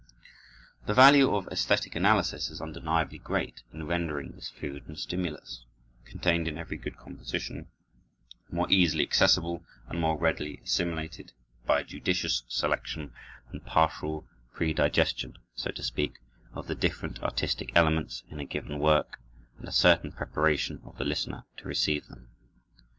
The value of esthetic analysis is undeniably great in rendering this food and stimulus, contained in every good composition, more easily accessible and more readily assimilated, by a judicious selection and partial predigestion, so to speak, of the different artistic elements in a given work, and a certain preparation of the listener to receive them.